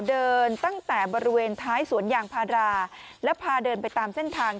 เดินตั้งแต่บริเวณท้ายสวนยางพาราแล้วพาเดินไปตามเส้นทาง